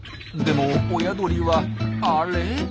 でも親鳥はあれ？